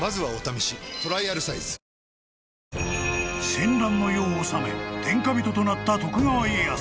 ［戦乱の世をおさめ天下人となった徳川家康］